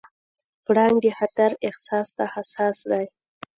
پړانګ د خطر احساس ته حساس دی.